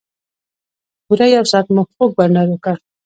پوره یو ساعت مو خوږ بنډار وکړ.